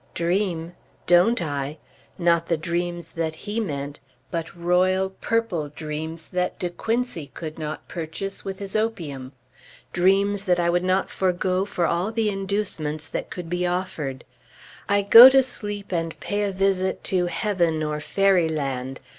Dream? Don't I! Not the dreams that he meant; but royal, purple dreams, that De Quincey could not purchase with his opium; dreams that I would not forego for all the inducements that could be offered. I go to sleep, and pay a visit to heaven or fairyland.